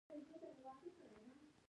د افغانستان په منظره کې اوښ ډېر ښکاره دی.